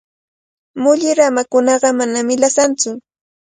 Mulli ramakunaqa manami lasantsu.